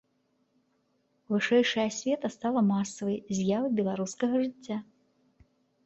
Вышэйшая асвета стала масавай з'явай беларускага жыцця.